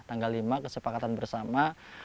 tanggal lima kesepakatan bersama